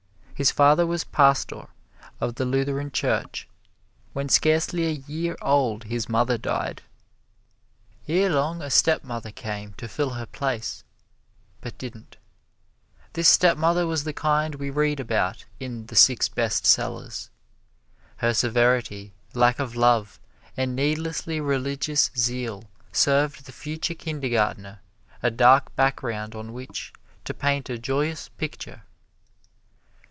His father was pastor of the Lutheran Church. When scarcely a year old his mother died. Erelong a stepmother came to fill her place but didn't. This stepmother was the kind we read about in the "Six Best Sellers." Her severity, lack of love, and needlessly religious zeal served the future Kindergartner a dark background on which to paint a joyous picture.